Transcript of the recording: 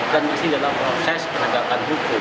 dan masih dalam proses penagakan hukum